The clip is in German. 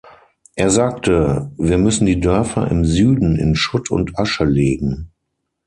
Er sagte: „Wir müssen die Dörfer im Süden in Schutt und Asche legen.